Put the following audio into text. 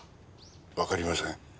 わかりません。